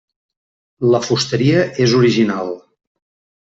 La fusteria és original.